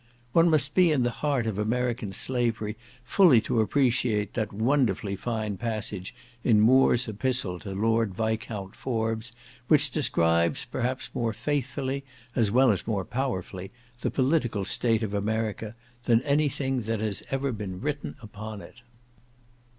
One must be in the heart of American slavery, fully to appreciate that wonderfully fine passage in Moore's Epistle to Lord Viscount Forbes, which describes perhaps more faithfully, as well as more powerfully, the political state of America, than any thing that has ever been written upon it.